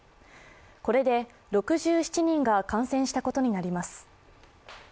これで６７人が感染したことになります。